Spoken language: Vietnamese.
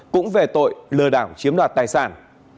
cũng về tội lừa đảo chiếm đoạt tài sản